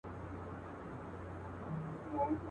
الله دي تا پر چا مین کړي.